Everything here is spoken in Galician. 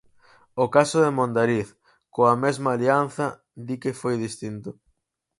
O caso de Mondariz, coa mesma alianza, di que foi distinto.